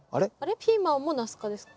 ピーマンもナス科でしたっけ？